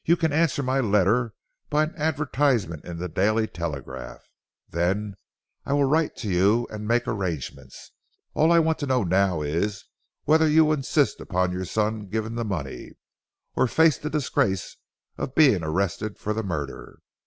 You can answer my letter by an advertisement in the Daily Telegraph. Then I will write to you and make arrangements. All I want to know now is whether you will insist upon your son giving the money, or face the disgrace of being arrested for the murder.